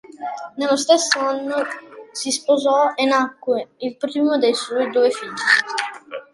Nello stesso anno si sposò e nacque il primo dei suoi due figli.